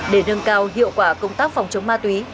để nâng cao hiệu quả công tác phòng chống ma túy